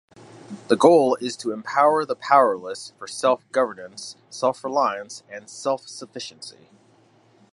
The goal is to empower the powerless for self-governance, self-reliance, and self-sufficiency.